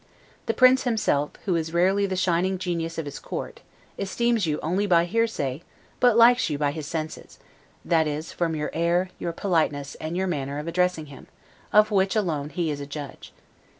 The prince himself, who is rarely the shining genius of his court, esteems you only by hearsay but likes you by his senses; that is, from your air, your politeness, and your manner of addressing him, of which alone he is a judge.